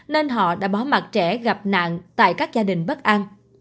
nên họ đã bó mặt trẻ gặp nạn tại các gia đình bất an